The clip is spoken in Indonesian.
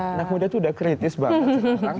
anak muda itu udah kritis banget sekarang